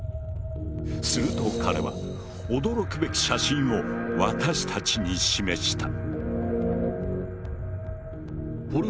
すると彼は驚くべき写真を私たちに示した。